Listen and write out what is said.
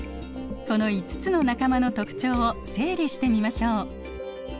この５つの仲間の特徴を整理してみましょう。